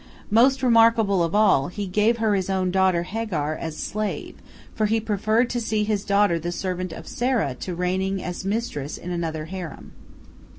Most remarkable of all, he gave her his own daughter Hagar as slave, for he preferred to see his daughter the servant of Sarah to reigning as mistress in another harem.